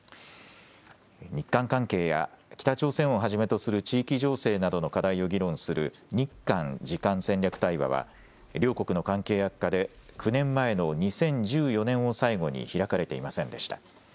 日韓関係や北朝鮮をはじめとする地域情勢などの課題を議論する日韓次官戦略対話は両国の関係悪化で９年前の２０１４年を最後に開かれていませんでした。